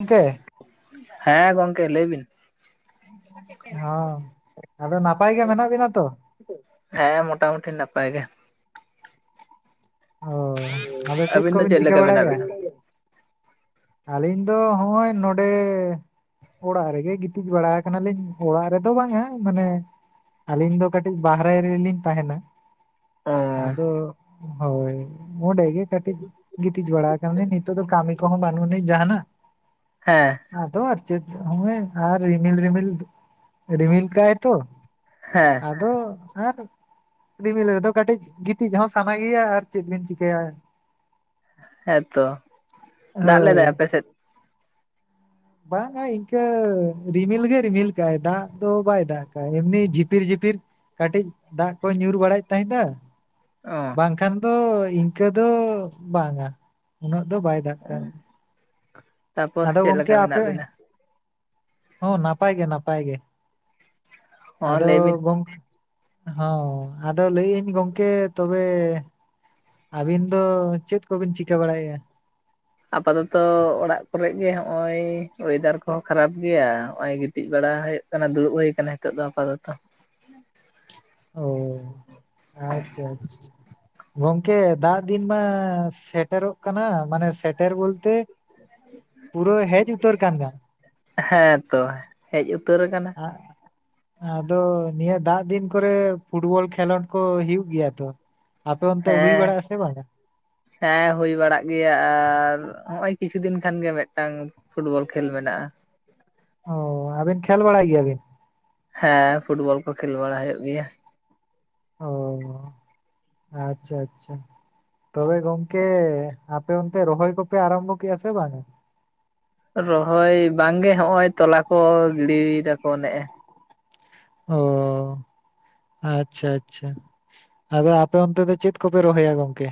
ᱢᱠᱮ ᱦᱮᱸ ᱜᱚᱝᱠᱮ ᱞᱟᱹᱭ ᱵᱤᱱ ᱦᱚᱸ ᱟᱫᱚ ᱱᱟᱯᱟᱭ ᱜᱮ ᱢᱮᱱᱟᱜ ᱵᱤᱱᱟ ᱛᱚ? ᱦᱮᱸ ᱢᱚᱴᱟᱢᱩᱴᱤ ᱱᱟᱯᱟᱭ ᱜᱮ᱾ ᱚ ᱟᱫᱚ ᱟᱹᱵᱤᱱ ᱫᱚ ᱠᱚᱵᱤᱱ ᱪᱮᱫ ᱪᱤᱠᱟᱹ ᱞᱮᱠᱟ ᱢᱮᱱᱟᱜ ᱵᱟᱲᱟᱭᱮᱜᱼᱟ? ᱵᱤᱱᱟ? ᱟᱹᱞᱤᱧ ᱫᱚ ᱦᱚᱜᱼᱚᱭ ᱱᱚᱸᱰᱮ ᱚᱲᱟᱜ ᱨᱮᱜᱮ ᱜᱤᱛᱤᱡ ᱵᱟᱲᱟ ᱠᱟᱱᱟᱞᱤᱧ᱾ ᱚᱲᱟᱜ ᱨᱮᱫᱚ ᱵᱟᱝ-ᱟ ᱢᱟᱱᱮ ᱟᱹᱞᱤᱧ ᱫᱚ ᱠᱟᱹᱴᱤᱡ ᱵᱟᱦᱨᱮ ᱨᱮᱞᱤᱧ ᱛᱟᱦᱮᱱᱟ, ᱚ ᱟᱫᱚ ᱦᱳᱭ ᱚᱸᱰᱮ ᱜᱮ ᱠᱟᱹᱴᱤᱡ ᱜᱤᱛᱤᱡ ᱵᱟᱲᱟ ᱟᱠᱟᱞᱤᱧ ᱱᱤᱛᱚᱜ ᱫᱚ ᱠᱟᱹᱢᱤ ᱠᱚᱦᱚᱸ ᱵᱟᱹᱱᱩᱜ ᱟᱹᱱᱤᱡ ᱡᱟᱦᱟᱱᱟᱜ᱾ ᱦᱮᱸ ᱟᱫᱚ ᱟᱨ ᱪᱤᱫ ᱦᱚᱜᱼᱚᱭ ᱟᱨ ᱨᱤᱢᱤᱞ ᱨᱤᱢᱤᱞ ᱨᱤᱢᱤᱞ ᱠᱟᱭ ᱛᱚ᱾ ᱦᱮᱸ ᱟᱫᱚ ᱟᱨ ᱨᱤᱢᱤᱞ ᱨᱮᱫᱚ ᱠᱟᱹᱴᱤᱡ ᱜᱤᱛᱤᱡ ᱦᱚᱸ ᱥᱟᱱᱟ ᱜᱮᱭᱟ ᱟᱨ ᱪᱮᱫ ᱵᱮᱱ ᱪᱤᱠᱟᱹᱭᱟ᱾ ᱦᱮᱸᱛᱚ ᱫᱟᱜ ᱞᱮᱫᱟᱭ ᱦᱳᱭ ᱟᱯᱮ ᱥᱮᱫ? ᱵᱟᱝ-ᱟ ᱤᱱᱠᱟᱹ ᱨᱤᱢᱤᱞ ᱜᱮ ᱨᱤᱢᱤᱞ ᱠᱟᱜᱟᱭ ᱫᱟᱜ ᱫᱚ ᱵᱟᱭ ᱫᱟᱜ᱾ ᱮᱢᱱᱤ ᱡᱷᱤᱯᱤᱨ ᱡᱷᱤᱯᱤᱨ ᱠᱟᱹᱴᱤᱡ ᱫᱟᱜ ᱠᱚ ᱧᱩᱨ ᱵᱟᱲᱟᱭᱮᱫ ᱛᱟᱦᱮᱸᱫᱼᱟ᱾ ᱚ ᱵᱟᱝᱠᱷᱟᱱ ᱫᱚ ᱤᱱᱠᱟᱹ ᱫᱚ ᱵᱟᱝᱟ ᱩᱱᱟᱹᱜ ᱫᱚ ᱵᱟᱭ ᱫᱟᱜ ᱮᱜᱼᱟ᱾ ᱛᱟᱯᱚᱨ ᱪᱮᱫ ᱞᱮᱠᱟ ᱢᱮᱱᱟᱜ ᱟᱯᱮ ᱵᱤᱱᱟ? ᱦᱚᱸ ᱱᱟᱯᱟᱭ ᱜᱮ ᱱᱟᱯᱟᱭ ᱜᱮ᱾ ᱦᱚᱸ ᱟᱫᱚ ᱞᱟᱹᱭ ᱵᱤᱱ ᱜᱚᱢ ᱦᱚᱸ ᱟᱫᱚ ᱞᱟᱹᱭ ᱟᱹᱧ ᱜᱚᱢᱠᱮ ᱛᱚᱵᱮ ᱟᱹᱵᱤᱱ ᱫᱚ ᱪᱮᱫ ᱠᱚᱵᱤᱱ ᱪᱤᱠᱟᱹ ᱵᱟᱲᱟᱭᱮᱜᱼᱟ? ᱟᱯᱟᱛᱚᱛᱚ ᱚᱲᱟᱜ ᱠᱚᱨᱮ ᱜᱮ ᱦᱚᱸᱜᱼᱚᱭ ᱚᱭᱮᱫᱟᱨ ᱠᱚᱦᱚᱸ ᱠᱷᱟᱨᱟᱯ ᱜᱮᱭᱟ ᱦᱚᱸᱜᱼᱚᱭ ᱜᱤᱛᱤᱡ ᱵᱟᱲᱟ ᱦᱩᱭᱩᱜ ᱠᱟᱱᱟ ᱫᱩᱲᱩᱵ ᱦᱩᱭ ᱟᱠᱟᱱᱟ ᱱᱤᱛᱚᱜ ᱫᱚ ᱟᱯᱟᱫᱚᱛᱚ᱾ ᱚ ᱟᱪᱪᱷᱟ ᱟᱪᱪᱷᱟ ᱜᱚᱝ ᱜᱚᱝᱠᱮ ᱫᱟᱜ ᱫᱤᱱ ᱢᱟ ᱥᱮᱴᱮᱨᱚᱜ ᱠᱟᱱᱟ ᱢᱟᱱᱮ ᱥᱮᱴᱮᱨ ᱵᱚᱞᱛᱮ ᱯᱩᱨᱟᱹ ᱦᱮᱡ ᱩᱛᱟᱹᱨ ᱠᱟᱱ ᱜᱮᱭᱟ᱾ ᱦᱮᱸ ᱛᱚ ᱦᱮᱡ ᱩᱛᱟᱹᱨ ᱟᱠᱟᱱᱟ᱾ ᱟᱜ ᱟᱫᱚ ᱱᱤᱭᱟᱹ ᱫᱟᱜ ᱫᱤᱱ ᱠᱚᱨᱮ ᱯᱷᱩᱴᱵᱚᱞ ᱠᱷᱮᱞᱳᱰ ᱠᱚ ᱦᱩᱭᱩᱜ ᱜᱮᱭᱟ ᱛᱚ? ᱟᱯᱮ ᱚᱱᱛᱮ ᱦᱩᱭ ᱦᱮᱸ ᱵᱟᱲᱟᱜ-ᱟ ᱥᱮ ᱵᱟᱝᱼᱟ? ᱦᱮᱸ ᱦᱩᱭ ᱵᱟᱲᱟᱜ ᱜᱮᱭᱟ ᱟᱨ ᱱᱚᱜ ᱚᱭ ᱠᱤᱪᱷᱩ ᱫᱤᱱ ᱠᱷᱟᱱ ᱜᱮ ᱢᱤᱫᱴᱟᱝ ᱯᱷᱩᱴᱵᱚᱞ ᱠᱷᱮᱞ ᱢᱮᱱᱟᱜᱼᱟ᱾ ᱚ ᱟᱵᱤᱱ ᱠᱷᱮᱞ ᱵᱟᱲᱟᱭ ᱜᱮᱭᱟᱵᱤᱱ? ᱦᱮᱸ ᱯᱷᱩᱴᱵᱚᱞ ᱠᱚ ᱠᱷᱮᱞ ᱵᱟᱲᱟ ᱦᱩᱭᱩᱜ ᱜᱮᱭᱟ᱾ ᱚ ᱟᱪᱪᱷᱟ ᱟᱪᱪᱷᱟ ᱛᱚᱵᱮ ᱜᱚᱝᱠᱮ ᱟᱯᱮ ᱚᱱᱛᱮ ᱨᱚᱦᱚᱭ ᱠᱚᱯᱮ ᱟᱨᱟᱢᱵᱚ ᱠᱮᱜᱼᱟ ᱥᱮ ᱵᱟᱝᱼᱟ? ᱨᱚᱦᱚᱭ ᱵᱟᱝ ᱜᱮ ᱦᱚᱜ ᱚᱭ ᱛᱚᱞᱟ ᱠᱚ ᱜᱤᱰᱤᱭ ᱮᱫᱟ ᱠᱚ ᱱᱮᱜ ᱮ᱾ ᱚ ᱟᱪᱪᱷᱟ ᱟᱪᱪᱷᱟ, ᱟᱫᱚ ᱟᱯᱮ ᱚᱱᱛᱮ ᱫᱚ ᱪᱮᱫ ᱠᱚᱯᱮ ᱨᱚᱦᱚᱭᱟ ᱜᱚᱝᱠᱮ?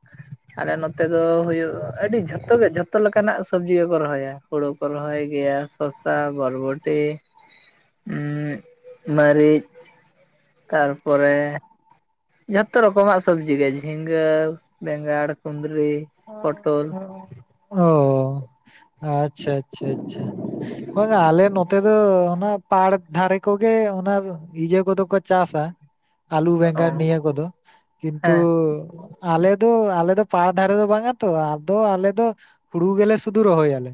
[inaudible] ᱟᱞᱮ ᱱᱚᱛᱮ ᱫᱚ ᱦᱩᱭᱩᱜ ᱟᱹᱰᱤ ᱡᱷᱚᱛᱚ ᱜᱮ ᱡᱷᱚᱛᱚ ᱞᱮᱠᱟᱱᱟᱜ ᱥᱚᱵᱽᱡᱤ ᱜᱮᱠᱚ ᱨᱚᱦᱚᱭᱟ, ᱦᱳᱲᱩ ᱠᱚ ᱨᱚᱦᱚᱭ ᱜᱮᱭᱟ᱾ ᱥᱚᱥᱟ, ᱵᱚᱨᱵᱚᱴᱤ, ᱦᱩᱸ ᱢᱟᱹᱨᱤᱪ ᱛᱟᱨᱯᱚᱨᱮ ᱡᱷᱚᱛᱚ ᱨᱚᱠᱚᱢᱟᱜ ᱥᱚᱵᱽᱡᱤ ᱜᱮ ᱡᱷᱤᱸᱜᱟᱹ ᱵᱮᱸᱜᱟᱲ, ᱠᱩᱸᱫᱽᱨᱤ, ᱯᱚᱴᱚᱞ ᱚ ᱟᱪᱪᱷᱟ ᱟᱪᱪᱷᱟ ᱟᱪᱪᱷᱟ ᱵᱟᱝ ᱟᱞᱮ ᱱᱚᱛᱮ ᱫᱚ ᱚᱱᱟ, ᱯᱟᱲ ᱫᱷᱟᱨᱮ ᱠᱚᱜᱮ ᱚᱱᱟ ᱤᱡᱟᱹ ᱠᱚᱫᱚ ᱠᱚ ᱪᱟᱥᱟ ᱟᱞᱩ ᱚ ᱵᱮᱸᱜᱟᱲ ᱱᱤᱭᱟᱹ ᱠᱚᱫᱚ ᱠᱤᱱᱛᱩ ᱦᱮᱸ ᱟᱞᱮ ᱫᱚ ᱟᱞᱮ ᱫᱚ ᱯᱟᱲ ᱫᱷᱟᱨᱮ ᱫᱚ ᱵᱟᱝ ᱟ ᱛᱚ ᱟᱫᱚ ᱟᱞᱮ ᱫᱚ ᱦᱩᱲᱩ ᱜᱮᱞᱮ ᱥᱩᱫᱷᱩ ᱨᱚᱦᱚᱭ ᱟᱞᱮ᱾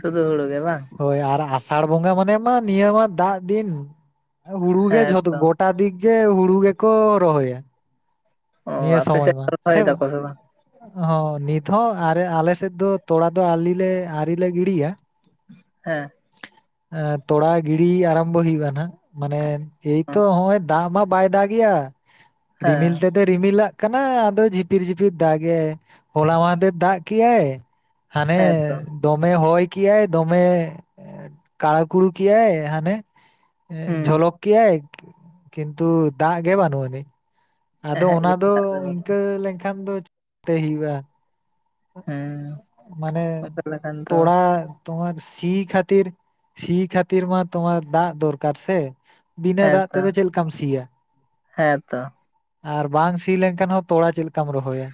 ᱥᱩᱫᱷᱩ ᱦᱩᱲᱩ ᱜᱮ ᱵᱟᱝ? ᱦᱳᱭ ᱟᱨ ᱟᱥᱟᱲ ᱵᱚᱸᱜᱟ ᱢᱟᱱᱮ ᱢᱟ ᱱᱤᱭᱟᱹ ᱢᱟ ᱫᱟᱜ ᱫᱤᱱ ᱦᱩᱲᱩ ᱜᱮ ᱦᱮᱸ ᱡᱷᱚᱛᱚ ᱛᱚ ᱜᱚᱴ, ᱜᱚᱴᱟ ᱫᱤᱠ ᱜᱮ ᱦᱩᱲᱩ ᱜᱮᱠᱚ ᱨᱚᱦᱚᱭᱟ᱾ ᱚ ᱱᱤᱭᱟᱹ ᱟᱯᱮ ᱥᱚᱢᱚᱭ ᱥᱮᱫ ᱢᱟ ᱨᱚᱦᱚᱭ ᱫᱟᱠᱚ ᱥᱮ ᱵᱟᱝ? ᱦᱚᱸ ᱱᱤᱛ ᱦᱚᱸ ᱟᱨᱮ ᱟᱞᱮ ᱥᱮᱫ ᱫᱚ ᱛᱚᱲᱟ ᱫᱚ ᱟᱞᱤᱞᱮ ᱟᱣᱨᱤ ᱞᱮ ᱜᱤᱰᱤᱭᱟ᱾ ᱦᱮᱸ, ᱛᱚᱲᱟ ᱜᱤᱲᱤ ᱟᱨᱟᱢᱵᱷᱚ ᱦᱩᱭᱩᱜᱼᱟ ᱱᱟᱜ᱾ ᱢᱟᱱᱮ ᱮᱭᱛᱚ ᱦᱚᱜ ᱚᱭ ᱫᱟᱜ ᱢᱟ ᱵᱟᱭ ᱫᱟᱜ ᱜᱮᱭᱟ ᱨᱤᱢᱤᱞ ᱦᱮᱸ ᱛᱮᱫ, ᱨᱤᱢᱤᱞ ᱟᱜ ᱠᱟᱱᱟᱭ ᱟᱫᱚ ᱡᱷᱤᱯᱤᱨ ᱡᱷᱤᱯᱤᱨ ᱫᱟᱜ ᱮ ᱦᱚᱞᱟ ᱢᱟᱦᱫᱮᱨ ᱫᱟᱜ ᱠᱮᱫ ᱟᱭ᱾ ᱦᱟᱱᱮ ᱦᱮᱸ ᱛᱚ ᱫᱚᱢᱮ ᱦᱚᱭ ᱠᱟᱭ ᱫᱚᱢᱮ ᱠᱟᱲᱟ ᱠᱩᱲᱩ ᱠᱮᱜ ᱟᱭ ᱦᱟᱱᱮ ᱦᱩᱸ ᱡᱚᱞᱚᱠ ᱠᱮᱜ ᱟᱭ᱾ ᱠᱤᱱᱛᱩ ᱫᱟᱜ ᱜᱮ ᱵᱟᱱᱩᱜ ᱟᱹᱱᱤᱡ᱾ ᱟᱫᱚ ᱮᱦᱮᱸᱜ ᱚᱱᱟ ᱜᱮ ᱫᱚ ᱫᱟᱜ ᱵᱟᱹᱱᱩᱜᱼᱟ ᱤᱱᱠᱟᱹ ᱞᱮᱱᱠᱷᱟᱱ ᱫᱚ ᱪᱤᱠᱛᱮ ᱦᱩᱭᱩᱜᱼᱟ᱾ ᱦᱩᱸ ᱢᱟᱱᱮ ᱚᱱᱠᱟ ᱞᱮᱠᱷᱟᱱ ᱫᱚ ᱛᱚᱲᱟ, ᱛᱚᱢᱟᱨ ᱥᱤ ᱠᱷᱟᱹᱛᱤᱨ ᱥᱤ ᱠᱷᱟᱹᱛᱤᱨ ᱢᱟ ᱛᱚᱢᱟᱨ ᱫᱟᱜ ᱫᱚᱨᱠᱟᱨ ᱥᱮ? ᱵᱤᱱᱟᱹ ᱫᱟᱜ ᱛᱮᱫᱚ ᱪᱮᱫ ᱞᱮᱠᱟᱢ ᱥᱤᱭᱟ? ᱦᱮᱸ ᱛᱚ᱾ ᱟᱨ ᱵᱟᱝ ᱥᱤ ᱞᱮᱱᱠᱷᱟᱱ ᱦᱚᱸ ᱛᱚᱲᱟ ᱪᱮᱫᱠᱟᱢ ᱨᱚᱦᱚᱭᱟ᱾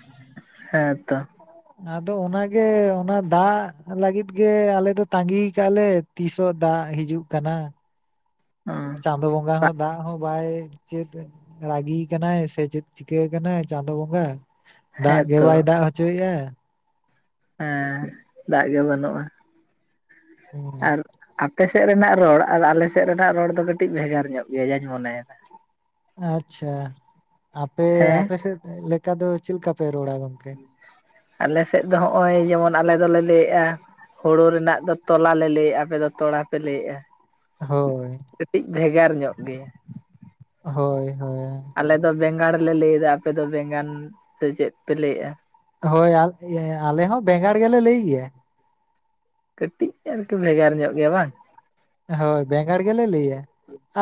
ᱦᱮᱸ ᱛᱚ᱾ ᱟᱫᱚ ᱚᱱᱟᱜᱮ ᱚᱱᱟ ᱫᱟᱜ ᱞᱟᱹᱜᱤᱫ ᱜᱮ ᱟᱞᱮ ᱫᱚ ᱛᱟᱺᱜᱤ ᱠᱟᱜᱼᱟ ᱞᱮ᱾ ᱛᱤᱥᱚᱜ ᱫᱟᱜ ᱦᱤᱡᱩᱜ ᱠᱟᱱᱟ᱾ ᱚᱸ ᱪᱟᱸᱫᱚ ᱵᱚᱸᱜᱟ ᱦᱚᱸ, ᱫᱟᱜ ᱦᱚᱸ ᱵᱟᱭ ᱪᱮᱫ ᱨᱟᱹᱜᱤ ᱠᱟᱱᱟᱭ ᱥᱮ ᱪᱮᱫ ᱪᱤᱠᱟᱹ ᱠᱟᱱᱟᱭ ᱪᱟᱸᱫᱳ ᱵᱚᱸᱜᱟ? ᱫᱟᱜ ᱜᱮ ᱦᱮᱸᱛᱚ ᱵᱟᱭ ᱫᱟᱜ ᱦᱚᱪᱚᱭᱮᱫᱼᱟ᱾ ᱦᱮᱸ ᱫᱟᱜ ᱜᱮ ᱵᱟᱹᱱᱩᱜᱼᱟ᱾ ᱟᱨ ᱟᱯᱮ ᱥᱮᱫ ᱨᱮᱱᱟᱜ ᱨᱚᱲ ᱟᱨ ᱟᱞᱮ ᱥᱮᱫ ᱨᱮᱱᱟᱜ ᱨᱚᱲ ᱫᱚ ᱠᱟᱹᱴᱤᱡ ᱵᱷᱮᱜᱟᱨ ᱧᱚᱜ ᱜᱮᱭᱟ ᱡᱟᱧ ᱢᱚᱱᱮᱭᱮᱫᱟ? ᱟᱪᱪᱷᱟ ᱟᱯᱮ ᱦᱮᱸ ᱟᱯᱮ ᱥᱮᱫ ᱞᱮᱠᱟ ᱫᱚ ᱪᱮᱫ ᱞᱮᱠᱟ ᱯᱮ ᱨᱚᱲᱟ ᱜᱚᱝᱠᱮ? ᱟᱞᱮ ᱥᱮᱫ ᱫᱚ ᱦᱚᱸᱜᱼᱚᱭ ᱡᱮᱢᱚᱱ ᱟᱞᱮ ᱫᱚᱞᱮ ᱞᱟᱹᱭᱮᱜᱼᱟ, ᱦᱳᱲᱳ ᱨᱮᱱᱟᱜ ᱫᱚ ᱛᱚᱞᱟ ᱞᱮ ᱞᱟᱹᱭᱮᱫᱼᱟ ᱟᱯᱮ ᱫᱚ ᱛᱚᱲᱟ ᱯᱮ ᱞᱟᱹᱭᱮᱫᱼᱟ᱾ ᱦᱳᱭ᱾ ᱠᱟᱹᱴᱤᱡ ᱵᱷᱮᱜᱟᱨ ᱧᱚᱜ ᱜᱮᱭᱟ᱾ ᱦᱳᱭ ᱦᱳᱭ᱾ ᱟᱞᱮᱫᱚ ᱵᱮᱸᱜᱟᱲ ᱞᱮ ᱞᱮᱭᱮᱫᱟ ᱟᱯᱮ ᱫᱚ ᱵᱮᱸᱜᱟᱲ ᱥᱮ ᱪᱮᱫ ᱯᱮ ᱞᱟᱹᱭᱮᱫᱼᱟ? ᱦᱳᱭ ᱟ ᱟᱞᱮ ᱦᱚᱸ ᱵᱮᱸᱜᱟᱲ ᱜᱮᱞᱮ ᱞᱟᱹᱭ ᱜᱮᱭᱟ᱾ ᱠᱟᱹᱴᱤᱡ ᱟᱨᱠᱤ ᱵᱷᱮᱜᱟᱨ ᱧᱚᱜ ᱜᱮᱭᱟ ᱵᱟᱝ? ᱦᱳᱭ ᱵᱮᱸᱜᱟᱲ ᱜᱮᱞᱮ ᱞᱟᱹᱭᱟ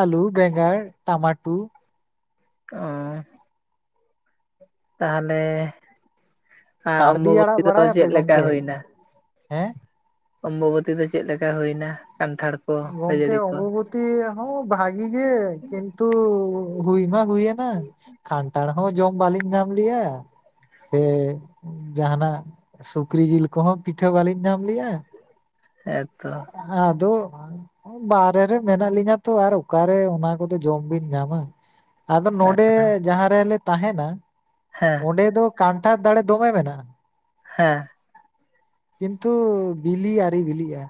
ᱟᱞᱩ ᱵᱮᱸᱜᱟᱲ ᱴᱟᱢᱟᱴᱩ, ᱚ, ᱛᱟᱦᱚᱞᱮ ᱠᱟᱲᱫᱤ ᱚᱢᱵᱚᱵᱚᱛᱤ ᱟᱲᱟᱜ ᱫᱚ ᱵᱟᱲᱟᱭᱟᱯᱮ ᱪᱮᱫ ᱞᱮᱠᱟ ᱜᱚᱝᱠᱮ ᱦᱳᱭᱱᱟ᱾ ᱦᱮᱸ? ᱚᱢᱵᱚᱵᱚᱛᱤ ᱫᱚ ᱪᱮᱫ ᱞᱮᱠᱟ ᱦᱩᱭᱱᱟ ᱠᱟᱱᱴᱷᱟᱲ ᱠᱚ ᱜᱚᱝᱠᱮ ᱠᱷᱟᱹᱡᱟᱹᱲᱤ ᱠᱚ ᱚᱢᱵᱚᱵᱚᱛ ᱛᱤ ᱦᱚᱸ ᱵᱷᱟᱜᱤ ᱜᱮ ᱠᱤᱱᱛᱩ ᱦᱩᱭ ᱢᱟ ᱦᱩᱭᱮᱱᱟ᱾ ᱠᱷᱟᱱᱴᱷᱟᱲ ᱦᱚᱸ ᱡᱚᱢ ᱵᱟᱞᱤᱧ ᱧᱟᱢ ᱞᱮᱫ-ᱟ᱾ ᱥᱮ ᱡᱟᱦᱟᱱᱟᱜ ᱥᱩᱠᱨᱤ ᱡᱤᱞ ᱠᱚᱦᱚᱸ ᱯᱤᱴᱷᱟᱹ ᱵᱟᱞᱤᱧ ᱧᱟᱢ ᱞᱮᱜᱼᱟ᱾ ᱦᱮᱸ ᱛᱚ᱾ ᱟᱫᱚ ᱵᱟᱦᱨᱮ ᱨᱮ ᱢᱮᱱᱟᱜ ᱞᱤᱧᱟ ᱛᱚ ᱟᱨ ᱚᱠᱟᱨᱮ ᱚᱱᱟ ᱠᱚᱫᱚ ᱡᱚᱢ ᱵᱤᱱ ᱧᱟᱢᱟ? ᱟᱫᱚ ᱱᱚᱰᱮ ᱡᱟᱦᱟᱸ ᱨᱮᱞᱮ ᱛᱟᱦᱮᱱᱟ᱾ ᱦᱮᱸ ᱚᱸᱰᱮ ᱫᱚ ᱠᱟᱱᱴᱷᱟᱲ ᱫᱟᱲᱮ ᱫᱚᱢᱮ ᱢᱮᱱᱟᱜᱼᱟ᱾ ᱦᱮᱸ᱾ ᱠᱤᱱᱛᱩ ᱵᱤᱞᱤ ᱟᱹᱣᱨᱤ ᱵᱤᱞᱤᱜᱼᱟ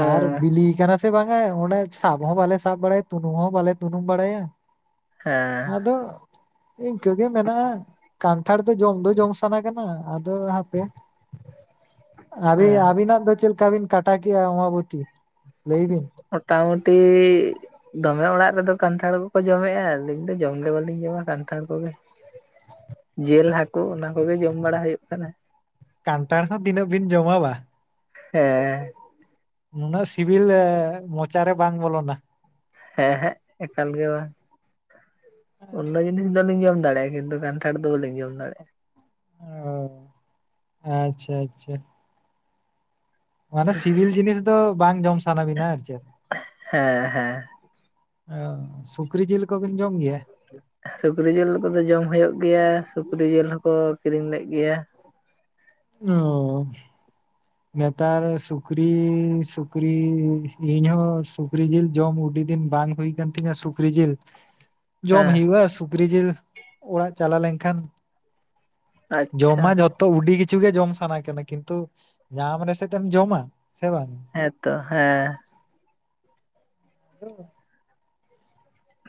ᱚ ᱟᱨ ᱵᱤᱞᱤ ᱠᱟᱱᱟ ᱥᱮ ᱥᱮ ᱵᱟᱝᱼᱟ ᱚᱸᱱᱰᱮ ᱥᱟᱵ ᱦᱚᱸ ᱵᱟᱞᱮ ᱥᱟᱵ ᱵᱟᱲᱟᱭᱟ, ᱛᱩᱱᱩᱢ ᱦᱚᱸ ᱵᱟᱞᱮ ᱛᱩᱱᱩᱢ ᱵᱟᱲᱟᱭᱟ᱾ ᱦᱮᱸ ᱟᱫᱚ ᱤᱱᱠᱟᱹ ᱜᱮ ᱢᱮᱱᱟᱜᱼᱟ᱾ ᱠᱟᱱᱴᱷᱟᱲ ᱫᱚ ᱡᱚᱢ ᱫᱚ ᱡᱚᱢ ᱥᱟᱱᱟ ᱠᱟᱱᱟ᱾ ᱟᱫᱚ ᱚ ᱟᱵᱤ ᱟᱹᱵᱤᱱᱟᱜ ᱫᱚ ᱪᱮᱫ ᱞᱮᱠᱟ ᱵᱤᱱ ᱠᱟᱴᱟ ᱠᱮᱜᱼᱟ, ᱚᱢᱟᱵᱚᱛᱤ? ᱞᱮᱭ ᱵᱤᱱ? ᱢᱚᱴᱟᱢᱩᱴᱤ ᱫᱚᱢᱮ ᱚᱲᱟᱜ ᱨᱮᱫᱚ ᱠᱟᱱᱴᱷᱟᱲ ᱠᱚᱠᱚ ᱡᱚᱢᱮᱫᱼᱟ, ᱟᱹᱞᱤᱧ ᱫᱚ ᱡᱚᱢ ᱜᱮ ᱵᱟᱹᱞᱤᱧ ᱡᱚᱢᱟ ᱠᱟᱱᱴᱷᱟᱲ ᱠᱚᱜᱮ᱾ ᱡᱮᱞ ᱦᱟᱹᱠᱩ, ᱚᱱᱟ ᱠᱚᱜᱮ ᱡᱚᱢ ᱵᱟᱲᱟ ᱦᱩᱭᱩᱜ ᱠᱟᱱᱟ᱾ ᱠᱟᱱᱴᱷᱟᱲ ᱦᱚᱸ ᱛᱤᱱᱟᱹᱜ ᱵᱤᱱ ᱡᱚᱢᱟ ᱵᱟ᱾ ᱦᱮᱸ᱾ ᱱᱩᱱᱟᱹᱜ ᱥᱤᱵᱤᱞ ᱢᱚᱪᱟ ᱨᱮ ᱵᱟᱝ ᱵᱚᱞᱚᱱᱟ᱾ ᱦᱮᱸ ᱦᱮᱸ ᱮᱠᱟᱞ ᱜᱮ ᱵᱟᱝ᱾ ᱩᱞ ᱡᱤᱱᱤᱥ ᱫᱚᱞᱤᱧ ᱡᱚᱢ ᱫᱟᱲᱮᱭᱟᱜᱼᱟ᱾ ᱠᱤᱱᱛᱩ ᱠᱟᱱᱴᱷᱟᱲ ᱫᱚ ᱵᱟᱹᱞᱤᱧ ᱡᱚᱢ ᱫᱟᱲᱮᱭᱟᱜᱼᱟ᱾ ᱚ ᱟᱪᱪᱷᱟ ᱟᱪᱪᱷᱟ᱾ ᱢᱟᱱᱮ ᱥᱤᱵᱤᱞ ᱡᱤᱱᱤᱥ ᱫᱚ ᱵᱟᱝ ᱡᱚᱢ ᱥᱟᱱᱟ ᱵᱤᱱᱟ ᱟᱨ ᱪᱮᱫ? ᱦᱮᱸ ᱦᱮᱸ ᱚᱻ ᱥᱩᱠᱨᱤ ᱡᱤᱞ ᱠᱚᱵᱤᱱ ᱡᱚᱢ ᱜᱮᱭᱟ? ᱥᱩᱠᱨᱤ ᱡᱤᱞ ᱠᱚᱫᱚ ᱡᱚᱢ ᱦᱳᱭᱳᱜ ᱜᱮᱭᱟ᱾ ᱥᱩᱠᱨᱤ ᱡᱤᱞ ᱦᱚᱸᱠᱚ ᱠᱤᱨᱤᱧ ᱞᱮᱫ ᱜᱮᱭᱟ᱾ ᱚᱻ᱾ ᱱᱮᱛᱟᱨ ᱥᱩᱠᱨᱤ ᱥᱩᱠᱨᱤ ᱤᱧᱦᱚᱸ ᱥᱩᱠᱨᱤ ᱡᱤᱞ ᱡᱚᱢ ᱩᱰᱤ ᱫᱤᱱ ᱵᱟᱝ ᱦᱩᱭ ᱠᱟᱱ ᱛᱤᱧᱟ ᱥᱩᱠᱨᱤ ᱡᱤᱞ᱾ ᱡᱚᱢ ᱦᱮᱸ ᱦᱩᱭᱩᱜᱼᱟ᱾ ᱥᱩᱠᱨᱤ ᱡᱤᱞ ᱚᱲᱟᱜ ᱪᱟᱞᱟ ᱞᱮᱱᱠᱷᱟᱱ ᱡᱚᱢ ᱟᱪᱪᱷᱟ ᱢᱟ ᱡᱷᱚᱛᱚ ᱩᱰᱤ ᱜᱮ ᱠᱤᱪᱷᱩ ᱜᱮ ᱡᱚᱢ ᱥᱟᱱᱟ ᱠᱟᱱᱟ᱾ ᱠᱤᱱᱛᱩ ᱧᱟᱢ ᱨᱮᱥᱮᱫ ᱮᱢ ᱡᱚᱢᱟ ᱥᱮ ᱵᱟᱝ? ᱦᱮᱸᱛᱚ, ᱦᱮᱸ᱾ [unintelligible]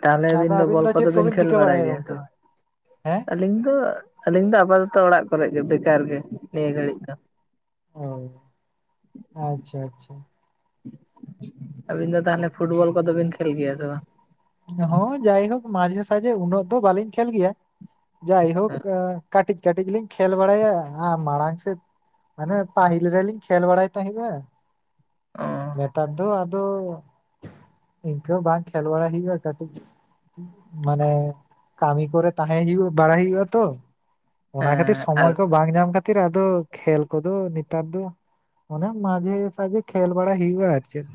ᱛᱟᱦᱚᱞᱮ ᱟᱹᱵᱤᱱ ᱟᱫᱚ ᱫᱚ ᱵᱚᱞ ᱠᱚᱫᱚ ᱪᱮᱫ ᱵᱤᱱ ᱠᱚᱵᱤᱱ ᱠᱷᱮᱞ ᱪᱤᱠᱟᱹ ᱵᱟᱲᱟᱭ ᱵᱟᱲᱟᱭᱟ ᱜᱮᱭᱟ ᱛᱚ᱾ ᱜᱚᱝᱠᱮ ᱦᱮᱸ ᱟᱹᱞᱤᱧ ᱫᱚ ᱟᱹᱞᱤᱧ ᱫᱚ ᱟᱯᱟᱛᱚᱛᱚ ᱚᱲᱟᱜ ᱠᱚᱨᱮ ᱜᱮ ᱵᱮᱠᱟᱨ ᱜᱮ ᱱᱤᱭᱟᱹ ᱜᱷᱟᱹᱲᱤᱡ ᱫᱚ᱾ ᱚ, ᱟᱪᱪᱷᱟ ᱟᱪᱪᱷᱟ᱾ ᱟᱹᱵᱤᱱ ᱫᱚ ᱛᱟᱦᱚᱞᱮ ᱯᱷᱩᱴᱵᱚᱞ ᱠᱚᱫᱚ ᱵᱤᱱ ᱠᱷᱮᱞ ᱜᱮᱭᱟ ᱥᱮ ᱵᱟᱝ? ᱦᱚᱸ ᱡᱟᱭᱦᱳᱠ ᱢᱟᱡᱷᱮ ᱥᱟᱡᱷᱮ ᱩᱱᱟᱹᱜ ᱫᱚ ᱵᱟᱹᱞᱤᱧ ᱠᱷᱮᱞ ᱜᱮᱭᱟ᱾ ᱡᱟᱭᱦᱳᱠ ᱠᱟᱹᱴᱤᱡ ᱠᱟᱹᱴᱤᱡ ᱞᱤᱧ ᱠᱷᱮᱞ ᱵᱟᱲᱟᱭᱟ ᱟᱨ ᱢᱟᱲᱟᱝ ᱥᱮᱫ ᱢᱟᱱᱮ ᱯᱟᱹᱦᱤᱞ ᱨᱮᱞᱤᱧ ᱠᱷᱮᱞ ᱵᱟᱲᱟᱭ ᱛᱟᱦᱮᱸᱱᱟ᱾ ᱚ ᱱᱮᱛᱟᱨ ᱫᱚ ᱟᱫᱚ ᱤᱱᱠᱟᱹ ᱵᱟᱝ ᱠᱷᱮᱞ ᱵᱟᱲᱟᱭ ᱦᱩᱭᱩᱜᱼᱟ᱾ ᱠᱟᱹᱴᱤᱡ ᱢᱟᱱᱮ ᱠᱟᱹᱢᱤ ᱠᱚᱨᱮ ᱛᱟᱦᱮᱸ ᱦᱩᱭᱩᱜ ᱵᱟᱲᱟᱭᱚᱜᱼᱟ ᱛᱚ, ᱚᱱᱟ ᱠᱷᱟᱹᱛᱤᱨ ᱦᱮᱸ ᱥᱚᱢᱚᱭ ᱟᱨ ᱠᱚ ᱵᱟᱝ ᱧᱟᱢ ᱠᱟᱛᱮ ᱠᱷᱟᱹᱛᱤᱨ ᱟᱫᱚ ᱠᱷᱮᱞ ᱠᱚᱫᱚ ᱱᱮᱛᱟᱨ ᱫᱚ ᱚᱱᱮ ᱢᱟᱡᱷᱮ ᱥᱟᱡᱷᱮ ᱠᱷᱮᱞ ᱵᱟᱲᱟ ᱦᱩᱭᱩᱜᱼᱟ ᱟᱨ ᱪᱮᱫ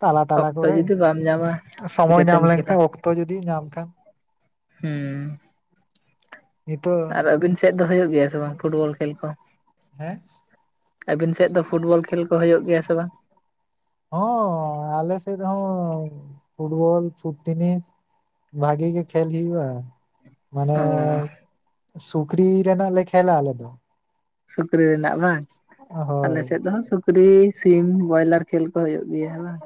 ᱛᱟᱞᱟ ᱛᱟᱞᱟ ᱚᱠᱛᱚ ᱠᱚᱨᱮ ᱡᱩᱫᱤ ᱵᱟᱢ ᱧᱟᱢᱟ ᱥᱚᱢᱚᱭ ᱧᱟᱢ ᱪᱤᱠᱟᱹᱛᱮᱢ ᱠᱷᱮᱞᱟ ᱞᱮᱱᱠᱷᱟᱱ ᱚᱠᱛᱚ ᱡᱩᱫᱤ ᱧᱟᱢ ᱠᱷᱟᱱ᱾ ᱦᱩᱸ᱾ ᱱᱤᱛᱚᱜ ᱟᱨ ᱟᱹᱵᱤᱱ ᱥᱮᱫ ᱫᱚ ᱦᱩᱭᱩᱜ ᱜᱮᱭᱟ ᱥᱮ ᱵᱟᱝ ᱯᱷᱩᱴᱵᱚᱞ ᱠᱷᱮᱞ ᱠᱚ? ᱦᱮᱸ ᱟᱹᱵᱤᱱ ᱥᱮᱫ ᱫᱚ ᱯᱷᱩᱴᱵᱚᱞ ᱠᱷᱮᱞ ᱠᱚ ᱦᱩᱭᱩᱜ ᱜᱮᱭᱟ ᱥᱮ ᱵᱟᱝ? ᱦᱚᱸ ᱟᱞᱮ ᱥᱮᱫ ᱦᱚᱸ ᱯᱷᱩᱴᱵᱚᱞ ᱯᱷᱩᱴ ᱴᱮᱱᱤᱥ, ᱵᱷᱟᱹᱜᱤ ᱜᱮ ᱠᱷᱮᱞ ᱦᱩᱭᱩᱜᱼᱟ᱾ ᱢᱟᱱᱮ ᱚ ᱥᱩᱠᱨᱤ ᱨᱮᱱᱟᱜ ᱞᱮ ᱠᱷᱮᱞᱟ ᱟᱞᱮ ᱫᱚ᱾ ᱥᱩᱠᱨᱤ ᱨᱮᱱᱟᱜ ᱵᱟᱝ, ᱟᱞᱮ ᱦᱳᱭ ᱥᱮᱫ ᱫᱚ ᱥᱩᱠᱨᱤ, ᱥᱤᱢ, ᱵᱚᱭᱞᱟᱨ, ᱠᱷᱮᱞ ᱠᱚ ᱦᱩᱭᱩᱜ ᱜᱮᱭᱟ ᱵᱟᱝ?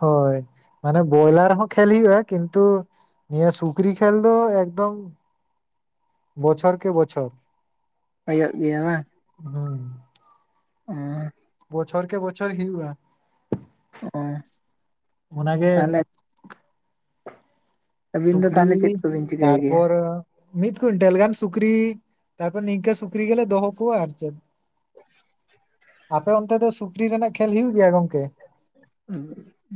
ᱦᱳᱭ ᱢᱟᱱᱮ ᱵᱚᱭᱞᱟᱨ ᱦᱚᱸ ᱠᱷᱮᱞ ᱦᱩᱭᱩᱜᱼᱟ, ᱠᱤᱱᱛᱩ ᱱᱤᱭᱟᱹ ᱥᱩᱠᱨᱤ ᱠᱷᱮᱞ ᱫᱚ ᱮᱠᱫᱚᱢ ᱵᱚᱪᱷᱚᱨ ᱠᱮ ᱵᱚᱪᱷᱚᱨ ᱦᱳᱭᱚᱜ ᱜᱮᱭᱟ ᱵᱟᱝ, ᱦᱳᱭ [inaudible] ᱵᱚᱪᱷᱚᱨ ᱠᱮ ᱵᱚᱪᱷᱚᱨ ᱦᱩᱭᱩᱜᱼᱟ᱾ ᱚ ᱚᱱᱟ ᱜᱮ ᱛᱟᱦᱚᱞᱮ ᱟᱹᱵᱤᱱ ᱫᱚ ᱥᱩᱠᱨᱤ ᱛᱟᱦᱚᱞᱮ ᱪᱮᱫ ᱠᱚᱵᱤᱱ ᱪᱤᱠᱟᱹᱭ ᱜᱮᱭᱟ? ᱛᱟᱨᱯᱚᱨ ᱢᱤᱫ ᱠᱩᱭᱤᱱᱴᱟᱞ ᱜᱟᱱ ᱥᱩᱠᱨᱤ ᱛᱟᱯᱚᱨ ᱱᱤᱝᱠᱟᱹ ᱥᱩᱠᱨᱤ ᱜᱮᱞᱮ ᱫᱚᱦᱚ ᱠᱚᱣᱟ ᱟᱨ ᱪᱮᱫ᱾ ᱟᱯᱮ ᱚᱱᱛᱮ ᱫᱚ ᱥᱩᱠᱨᱤ ᱨᱮᱱᱟᱜ ᱠᱷᱮᱞ ᱦᱳᱭᱳ ᱜᱮᱭᱟ ᱜᱚᱢᱠᱮ?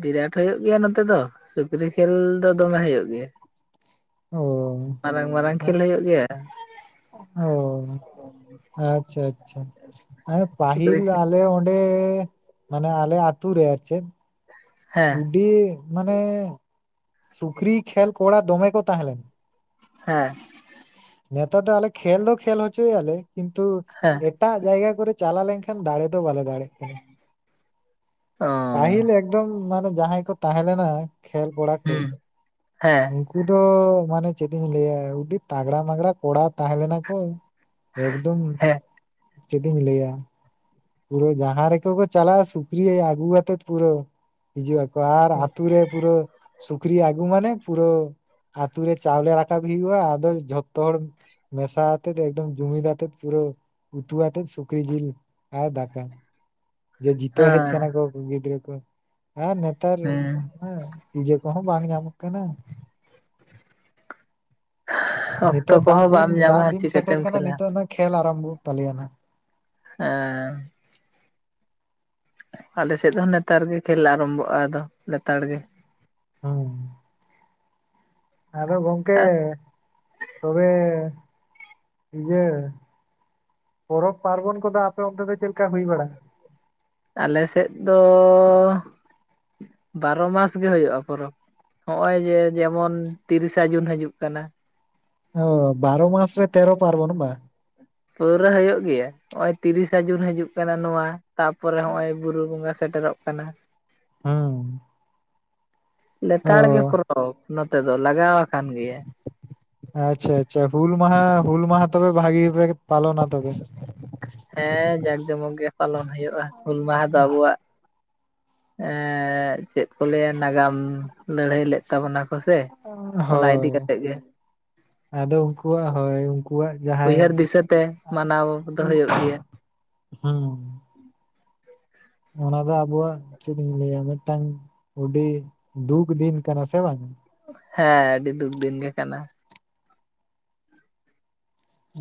ᱵᱤᱨᱟᱴ ᱦᱩᱭᱩᱜ ᱜᱮᱭᱟ ᱱᱚᱛᱮ ᱫᱚ ᱥᱩᱠᱨᱤ ᱠᱷᱮᱞ ᱫᱚ ᱫᱚᱢᱮ ᱦᱩᱭᱩᱜ ᱜᱮᱭᱟ᱾ ᱚ ᱢᱟᱨᱟᱝ ᱢᱟᱨᱟᱝ ᱟ- ᱠᱷᱮᱞ ᱦᱩᱭᱩᱜ ᱜᱮᱭᱟ᱾ ᱚ ᱟᱪᱪᱷᱟ ᱟᱪᱪᱷᱟ, ᱥᱩᱠᱨᱤ ᱯᱟᱦᱤᱞ ᱟ ᱠᱷᱮᱞ ᱟᱞᱮ ᱚᱸᱰᱮ ᱢᱟᱱᱮ ᱟᱞᱮ ᱟᱹᱛᱩ ᱨᱮ ᱟᱨ ᱪᱮᱫ ᱦᱮᱸ ᱟᱹᱰᱤ ᱢᱟᱱᱮ ᱥᱩᱠᱨᱤ ᱠᱷᱮᱞ ᱠᱚᱲᱟ ᱫᱚᱢᱮ ᱠᱚ ᱛᱟᱦᱮᱸ ᱞᱮᱱᱟ᱾ ᱦᱮᱸ ᱱᱮᱛᱟᱨ ᱫᱚ ᱟᱞᱮ ᱠᱷᱮᱞ ᱫᱚ ᱠᱷᱮᱞ ᱦᱚᱪᱚᱭᱭᱟᱞᱮ ᱠᱤᱱᱛᱩ, ᱦᱮᱸ ᱮᱴᱟᱜ ᱡᱟᱭᱜᱟ ᱠᱚᱨᱮ ᱪᱟᱞᱟ ᱞᱮᱱᱠᱷᱟᱱ ᱫᱟᱲᱮ ᱫᱚ ᱵᱟᱞᱮ ᱫᱟᱲᱭᱟᱜ ᱠᱟᱱᱟ, ᱚ ᱯᱟᱹᱦᱤᱞ ᱮᱠᱫᱚᱢ ᱢᱟᱱᱮ ᱡᱟᱦᱟᱸᱭ ᱠᱚ ᱛᱟᱦᱮᱸ ᱞᱮᱱᱟ ᱠᱷᱮᱞ ᱠᱚᱲᱟ ᱠᱚ ᱦᱩᱸ ᱦᱮᱸ [unintelligible] ᱩᱱᱠᱩ ᱫᱚ ᱢᱟᱱᱮ ᱪᱮᱫ ᱤᱧ ᱞᱟᱹᱭᱟ, ᱟᱹᱰᱤ ᱛᱟᱜᱽᱲᱟ ᱢᱟᱜᱽᱲᱟ ᱠᱚᱲᱟ ᱛᱟᱦᱮᱸ ᱞᱮᱱᱟ ᱠᱚ᱾ ᱮᱠᱫᱚᱢ ᱦᱮᱸ ᱪᱮᱫ ᱤᱧ ᱞᱟᱹᱭᱟ᱾ ᱯᱩᱨᱟᱹ ᱡᱟᱸᱦᱟᱸ ᱨᱮᱠᱚ ᱠᱚ ᱪᱟᱞᱟᱜᱼᱟ, ᱥᱩᱠᱨᱤ ᱟᱹᱜᱩ ᱠᱟᱛᱮᱫ ᱯᱩᱨᱟᱹ ᱦᱤᱡᱩᱜᱼᱟ᱾ ᱟᱨ ᱟᱛᱩ ᱨᱮ ᱯᱩᱨᱟᱹ ᱥᱩᱠᱨᱤ ᱟᱜᱩ ᱢᱟᱱᱮ ᱯᱩᱨᱟᱹ ᱟᱛ ᱨᱮ ᱪᱟᱣᱞᱮ ᱨᱟᱠᱟᱵ ᱦᱩᱭᱩᱜ-ᱟ ᱟᱫᱚ ᱡᱷᱚᱛᱚ ᱦᱚᱲ ᱢᱮᱥᱟ ᱟᱛᱮ ᱮᱠᱫᱚᱢ ᱡᱩᱢᱤᱫ ᱟᱛᱮ ᱯᱩᱨᱟᱹ ᱩᱛᱩᱣᱟᱛᱮ ᱥᱩᱠᱨᱤ ᱡᱤᱞ ᱟᱨ ᱫᱟᱠᱟ ᱡᱮ ᱡᱤᱛᱟᱹᱣ ᱦᱮᱡ ᱦᱮᱸ ᱟᱠᱟᱱᱟ ᱠᱚ ᱜᱤᱫᱽᱨᱟᱹ ᱠᱚ ᱟᱨ ᱱᱮᱛᱟᱨ ᱦᱩᱸ ᱦᱮᱸ ᱤᱡᱮ ᱠᱚᱦᱚᱸ ᱵᱟᱝ ᱧᱟᱢᱚᱜ ᱠᱟᱱᱟ᱾ ᱚᱠᱛᱚ ᱱᱤᱛᱚᱜ ᱫᱟᱜ ᱠᱚᱦᱚᱸ ᱫᱤᱱ ᱵᱟᱢ ᱧᱟᱢᱟ ᱫᱟᱜ ᱫᱤᱱ ᱥᱮᱴᱮᱨ ᱪᱤᱠᱟᱹᱛᱮᱢ ᱠᱟᱱᱟ ᱠᱷᱮᱞᱟ ᱱᱤᱛᱚᱜ ᱱᱷᱟᱜ ᱠᱷᱮᱹᱞ ᱟᱨᱟᱢᱵᱷᱚᱜ ᱛᱟᱞᱮᱭᱟ ᱱᱟᱜ᱾ ᱦᱮᱸ ᱟᱞᱮ ᱥᱮᱫ ᱦᱚᱸ ᱱᱮᱛᱟᱨ ᱜᱮ ᱠᱷᱮᱞ ᱟᱨᱟᱢᱵᱷᱚᱜ-ᱟ ᱟᱫᱚ ᱞᱮᱛᱟᱲ ᱜᱮ᱾ ᱦᱩᱸ ᱟᱫᱚ ᱜᱚᱝᱠᱮ ᱛᱚᱵᱮ ᱤᱭᱟᱹ ᱯᱚᱨᱚᱵᱽ ᱯᱟᱨᱵᱚᱱ ᱠᱚᱫᱚ ᱟᱯᱮ ᱚᱱᱛᱮ ᱫᱚ ᱪᱮᱫᱠᱟ ᱦᱩᱭ ᱵᱟᱲᱟᱜᱼᱟ? ᱟᱞᱮᱥᱮᱫ ᱫᱚ ᱵᱟᱨᱚ ᱢᱟᱥ ᱜᱮ ᱦᱩᱭᱩᱜᱼᱟ ᱯᱚᱨᱚᱵᱽ ᱦᱚᱜ ᱚᱭ ᱡᱮ ᱡᱮᱢᱚᱱ ᱛᱤᱨᱤᱥᱟ ᱡᱩᱱ ᱦᱟᱡᱩᱜ ᱠᱟᱱᱟ᱾ ᱚ ᱵᱟᱨᱚ ᱢᱟᱥ ᱨᱮ ᱛᱮᱨᱚ ᱯᱟᱨᱵᱚᱱᱟ ᱵᱟ? ᱯᱟᱹᱣᱨᱟᱹ ᱦᱩᱭᱩᱜ ᱜᱮᱭᱟ ᱱᱚᱜ ᱚᱭ ᱛᱤᱨᱤᱥᱟ ᱡᱩᱱ ᱦᱟᱡᱩᱜ ᱠᱟᱱᱟ ᱱᱚᱣᱟ᱾ ᱛᱟᱯᱚᱨᱮ ᱦᱚᱜ ᱚᱭ ᱵᱩᱨᱩ ᱵᱚᱸᱜᱟ ᱥᱮᱴᱮᱨᱚᱜ ᱠᱟᱱᱟ᱾ ᱦᱩᱸ ᱚ ᱞᱮᱛᱟᱲ ᱜᱮ ᱯᱚᱨᱚᱵᱽ ᱱᱚᱛᱮ ᱫᱚ ᱞᱟᱜᱟᱣ ᱟᱠᱟᱱ ᱜᱮᱭᱟ᱾ ᱟᱪᱪᱷᱟ ᱟᱪᱪᱷᱟ ᱦᱩᱞ ᱢᱟᱦᱟ ᱦᱩᱞ ᱢᱟᱦᱟ ᱛᱚᱵᱮ ᱵᱷᱟᱜᱤ ᱜᱮᱯᱮ ᱯᱟᱞᱚᱱᱟ ᱛᱚᱵᱮ? ᱦᱮᱸ ᱡᱟᱠ ᱡᱚᱢᱚᱠ ᱜᱮ ᱯᱟᱞᱚᱱ ᱦᱩᱭᱩᱜ-ᱟ ᱦᱩᱞ ᱢᱟᱦᱟ ᱫᱚ ᱟᱵᱚᱣᱟᱜᱼᱼ ᱮᱸ ᱪᱮᱫ ᱠᱚ ᱞᱟᱹᱭᱟ ᱱᱟᱜᱟᱢ ᱞᱟᱹᱲᱦᱟᱹᱭ ᱞᱮᱫᱼᱼ ᱛᱟᱵᱚᱱᱟ ᱠᱚ ᱥᱮ ᱚᱱᱟ ᱤᱫᱤ ᱦᱳᱭ ᱠᱟᱛᱮᱫ ᱜᱮᱼᱼ ᱟᱫᱚ ᱩᱱᱠᱩᱣᱟᱜ ᱦᱚᱭ ᱩᱱᱠᱩᱣᱟᱜ ᱡᱟᱦᱟᱸᱭ ᱩᱭᱦᱟᱹᱨ ᱫᱤᱥᱟᱹᱛᱮ ᱢᱟᱱᱟᱣ ᱫᱚ ᱦᱩᱭᱩᱜ ᱜᱮᱭᱟ [unintelligible] ᱦᱩᱸ ᱚᱱᱟ ᱫᱚ ᱟᱵᱚᱣᱟᱜ ᱪᱮᱫ ᱤᱧ ᱞᱟᱹᱭᱟ ᱢᱤᱫᱴᱟᱝ ᱟᱹᱰᱤ ᱫᱩᱠᱷ ᱫᱤᱱ ᱠᱟᱱᱟ ᱥᱮ ᱵᱟᱝ? ᱦᱮᱸ ᱟᱹᱰᱤ ᱫᱩᱠᱷ ᱫᱤᱱ ᱜᱮ ᱠᱟᱱᱟ᱾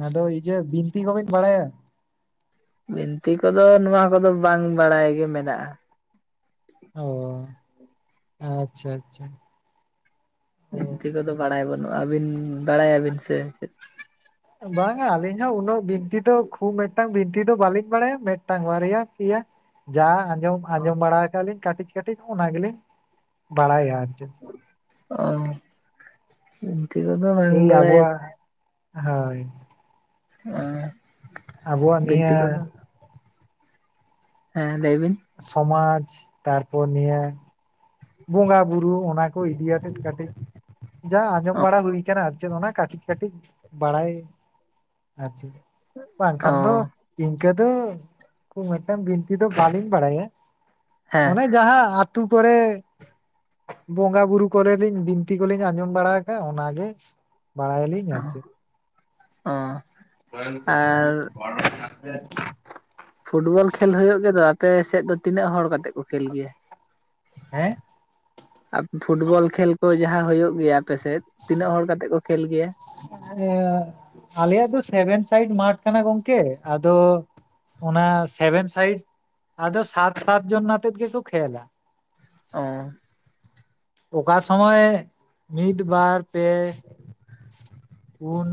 ᱟᱫᱚ ᱤᱭᱟᱹ ᱵᱤᱱᱛᱤ ᱠᱚᱵᱮᱧ ᱵᱟᱲᱟᱭᱟ? ᱵᱤᱱᱛᱤ ᱠᱚᱫᱚ ᱱᱚᱣᱟ ᱠᱚᱫᱚ ᱵᱟᱝ ᱵᱟᱲᱟᱭ ᱜᱮ ᱢᱮᱱᱟᱜᱼᱟ ᱚᱻ ᱟᱪᱪᱷᱟ ᱟᱪᱪᱷᱟ᱾ ᱚ ᱵᱤᱱᱛᱤ ᱠᱚᱫᱚ ᱵᱟᱲᱟᱭ ᱵᱟᱹᱱᱩᱜᱼᱟ ᱟᱹᱵᱤᱱ ᱵᱟᱲᱟ ᱭᱟᱵᱤᱱ ᱥᱮ ᱪᱮᱫ? ᱵᱟᱝᱼᱟ ᱟᱹᱞᱤᱧ ᱦᱚᱸ ᱩᱱᱟᱹᱜ ᱵᱤᱱᱛᱤ ᱫᱚ ᱠᱷᱩᱵ ᱢᱤᱫᱴᱟᱝ ᱵᱤᱱᱛᱤ ᱫᱚ ᱵᱟᱹᱞᱤᱧ ᱵᱟᱲᱟᱭᱟ ᱢᱤᱫᱴᱟᱝ ᱵᱟᱨᱭᱟ ᱯᱮᱭᱟᱼᱼ ᱡᱟ ᱟᱸᱡᱚᱢ ᱟᱸᱡᱚᱢ ᱵᱟᱲᱟ ᱟᱠᱟᱜ ᱟᱞᱤᱧ ᱠᱟᱹᱴᱤᱡ ᱠᱟᱹᱴᱤᱡ ᱚᱱᱟ ᱜᱮᱞᱤᱧ ᱵᱟᱲᱟᱭᱟ ᱟᱨ ᱪᱮᱫ? ᱚᱻ ᱵᱤᱱᱛᱤ ᱠᱚᱫᱚ ᱮᱭ ᱟᱵᱚᱣᱟᱜ ᱦᱚᱭ᱾ ᱮᱸᱻ ᱟᱵᱚᱣᱟᱜ ᱱᱤᱭᱟᱹ ᱦᱮᱸ ᱞᱟᱹᱭ ᱵᱤᱱ? ᱥᱚᱢᱟᱡᱽ ᱛᱟᱨᱯᱚᱨ ᱱᱤᱭᱟᱹ ᱵᱚᱸᱜᱟ ᱵᱩᱨᱩ ᱚᱱᱟ ᱠᱚ ᱤᱫᱤᱭᱟᱛᱮᱫ ᱠᱟᱹᱴᱤᱡ ᱡᱟ ᱟᱸᱡᱚᱢ ᱚ ᱵᱟᱲᱟ ᱦᱩᱭ ᱟᱠᱟᱱᱟ ᱟᱨ ᱪᱮᱫ ᱚᱱᱟ ᱠᱟᱹᱴᱤᱡ ᱠᱟᱹᱴᱤᱡ ᱵᱟᱲᱟᱭ ᱟᱨ ᱪᱮᱫ ᱵᱟᱝ ᱠᱷᱟᱱ ᱫᱚᱼᱼ ᱤᱱᱠᱟᱹ ᱫᱚ ᱢᱤᱫᱴᱟᱝ ᱵᱤᱱᱛᱤ ᱫᱚ ᱵᱟᱹᱞᱤᱧ ᱵᱟᱲᱟᱭᱟ ᱦᱮᱸ ᱚᱱᱮᱼᱼ ᱡᱟᱦᱟᱸ ᱟᱛᱩ ᱠᱚᱨᱮᱼᱼ ᱵᱚᱸᱜᱟ ᱵᱩᱨᱩ ᱠᱚᱨᱮ ᱞᱤᱧ ᱵᱤᱱᱛᱤ ᱠᱚᱞᱤᱧ ᱟᱸᱡᱚᱢ ᱵᱟᱲᱟ ᱟᱠᱟᱫᱼᱟ ᱚᱱᱟᱜᱮ ᱵᱟᱲᱟᱭᱟ ᱞᱤᱧ ᱚ ᱚ ᱟᱨ ᱯᱷᱩᱴᱵᱚᱞ ᱠᱷᱮᱞ ᱦᱩᱭᱩᱜ ᱜᱮᱫᱚ ᱟᱯᱮ ᱥᱮᱫ ᱫᱚ ᱛᱤᱱᱟᱹᱜ ᱦᱚᱲ ᱠᱟᱛᱮᱫ ᱠᱚ ᱠᱷᱮᱞ ᱜᱮᱭᱟ? ᱦᱮᱸ? ᱟᱯ ᱯᱷᱩᱴᱵᱚᱞ ᱠᱷᱮᱞ ᱠᱚ ᱡᱟᱦᱟᱸ ᱦᱩᱭᱩᱜ ᱜᱮᱭᱟ ᱟᱯᱮᱥᱮᱫ ᱛᱤᱱᱟᱹᱜ ᱦᱚᱲ ᱠᱟᱛᱮᱜ ᱠᱚ ᱠᱷᱮᱞ ᱜᱮᱭᱟ? ᱟᱞᱮᱭᱟᱜ ᱫᱚ ᱥᱮᱵᱷᱮᱱ ᱥᱟᱭᱤᱰ ᱢᱟᱴᱷ ᱠᱟᱱᱟ ᱜᱚᱝᱠᱮ ᱟᱫᱚᱼᱼ ᱚᱱᱟ ᱥᱮᱵᱷᱮᱱ ᱥᱟᱭᱤᱰ ᱟᱫᱚ ᱥᱟᱛ ᱥᱟᱛ ᱡᱚᱱ ᱟᱛᱮᱫ ᱜᱮᱠᱚ ᱠᱷᱮᱞᱟ᱾ ᱚ ᱚᱠᱟ ᱥᱚᱢᱚᱭ ᱢᱤᱫ ᱵᱟᱨ ᱯᱮ ᱯᱩᱱ